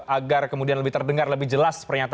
agar kemudian lebih terdengar lebih jelas pernyataan